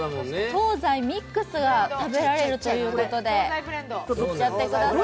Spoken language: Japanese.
東西ミックスが食べられるということで、いっちゃってください。